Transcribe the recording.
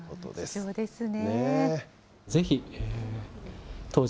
貴重ですね。